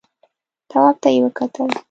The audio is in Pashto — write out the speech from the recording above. تواب ته يې وکتل.